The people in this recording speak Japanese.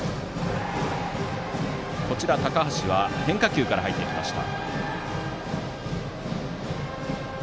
高橋は変化球から入りました。